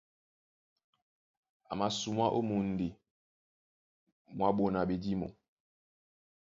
A masumwá ó mundi mwá ɓona ɓedímo.